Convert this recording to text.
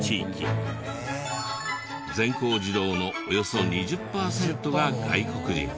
全校児童のおよそ２０パーセントが外国人。